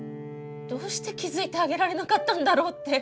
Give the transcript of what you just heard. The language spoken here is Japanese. どうして気付いてあげられなかったんだろうって。